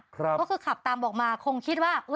ก็คือขับตามออกมาคงคิดว่า